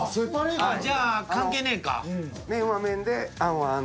じゃあ関係ねぇか。